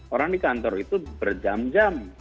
orang di kantor itu berjam jam